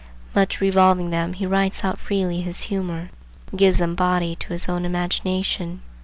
Much revolving them he writes out freely his humor, and gives them body to his own imagination.